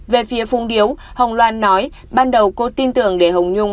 về phía phung điếu hồng loan nói ban đầu cô tin tưởng để hồng nhung